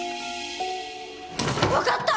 分かった！